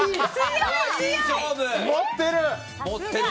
持ってる！